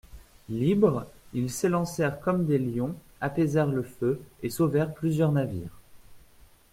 Libres, ils s'élancèrent comme des lions, apaisèrent le feu et sauvèrent plusieurs navires.